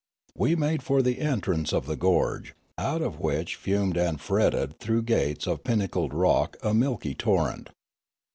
We made for the entrance of the gorge, out of which fumed and fretted through gates of pinnacled rock a milky torrent.